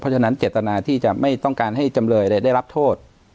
เพราะฉะนั้นเจตนาที่จะไม่ต้องการให้จำเลยได้รับโทษ